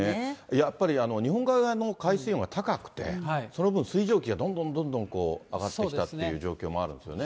やっぱり日本海側の海水温が高くて、その分、水蒸気がどんどんどんどん上がってきたっていう状況もあるんですよね。